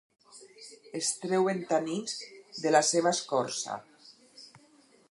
Es treuen tanins de la seva escorça.